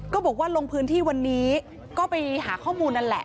บอกว่าลงพื้นที่วันนี้ก็ไปหาข้อมูลนั่นแหละ